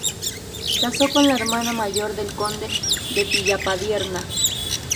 Casó con la hermana mayor del Conde de Villapadierna.